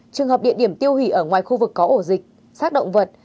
trường hợp địa điểm tiêu hủy ở ngoài khu vực có ổ dịch sát động vật